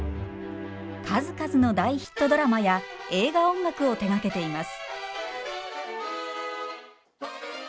数々の大ヒットドラマや映画音楽を手がけています。